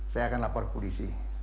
saya akan lapor polisi